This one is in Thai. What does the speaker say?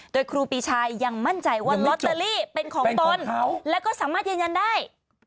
โดยครูปีชายังมั่นใจว่าลอตเตอรี่เป็นของตนแล้วก็สามารถยืนยันได้